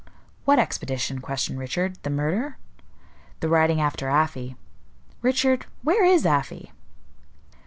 "What expedition?" questioned Richard. "The murder?" "The riding after Afy. Richard, where is Afy?"